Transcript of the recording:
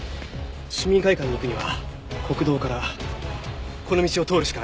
市民会館に行くには国道からこの道を通るしかありません。